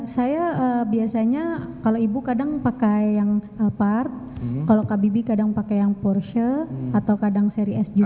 saya biasanya kalau ibu kadang pakai yang alpart kalau kak bibi kadang pakai yang porsche atau kadang seri s juga